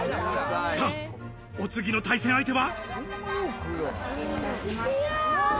お次の対戦相手は。